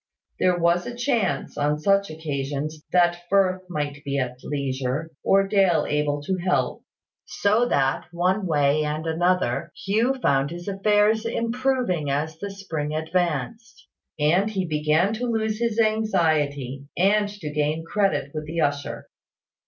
There was a chance, on such occasions, that Firth might be at leisure, or Dale able to help: so that, one way and another, Hugh found his affairs improving as the spring advanced; and he began to lose his anxiety, and to gain credit with the usher.